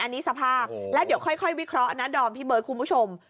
อันนี้สภาพแล้วเดี๋ยวค่อยวิเคราะห์นะดอมพี่เบิร์ดคุณผู้ชม